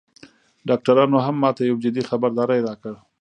ډاکترانو هم ماته یو جدي خبرداری راکړ